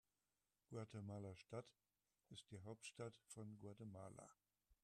Guatemala-Stadt ist die Hauptstadt von Guatemala.